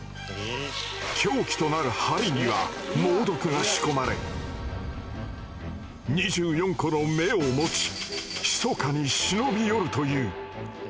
凶器となる針には猛毒が仕込まれ二十四個の眼を持ちひそかに忍び寄るという。